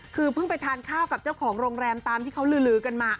คือเพิ่งไปทานข้าวกับเจ้าของโรงแรมตามที่เขาลือกันมา